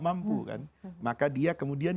mampu kan maka dia kemudian